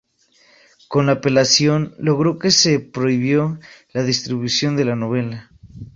Con la apelación, logró que se prohibió la distribución de la novela.